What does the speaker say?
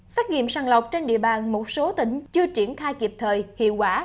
xét nghiệm sàng lọc trên địa bàn một số tỉnh chưa triển khai kịp thời hiệu quả